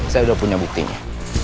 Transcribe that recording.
saya udah punya buktinya